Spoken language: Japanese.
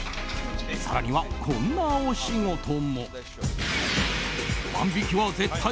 更には、こんなお仕事も。